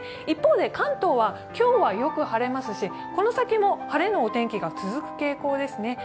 一方で関東は今日はよく晴れますし、この先も晴れのお天気が続く傾向ですね。